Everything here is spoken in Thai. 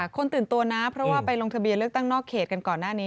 คนตื่นตัวนะเพราะว่าไปลงทะเบียนเลือกตั้งนอกเขตกันก่อนหน้านี้